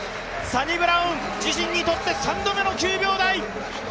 サニブラウン自身にとって３度目の９秒台！